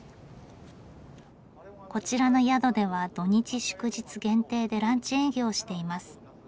こちらの宿では土日祝日限定でランチ営業をしています。